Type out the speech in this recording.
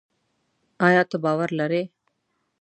ایا ته باور لري؟